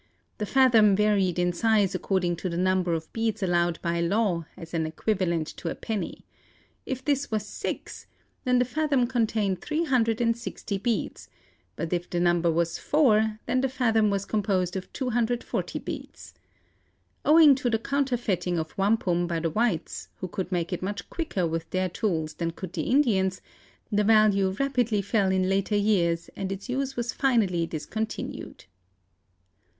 The fathom varied in size according to the number of beads allowed by law as an equivalent to a penny. If this was six, then the fathom contained three hundred and sixty beads, but if the number was four, then the fathom was composed of two hundred forty beads. Owing to the counterfeiting of wampum by the whites, who could make it much quicker with their tools than could the Indians, the value rapidly fell in later years and its use was finally discontinued.